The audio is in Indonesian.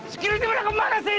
security mana kemana sih